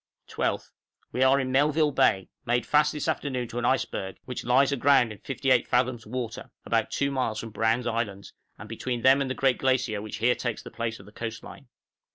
12th. We are in Melville Bay; made fast this afternoon to an iceberg, which lies aground in 58 fathoms water, about 2 miles from Browne's Islands, and between them and the great glacier which here takes the place of the coast line. {THE MIDDLE ICE.